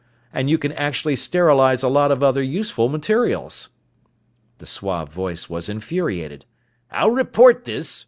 And you can actually sterilize a lot of other useful materials!" The suave voice was infuriated: "I'll report this!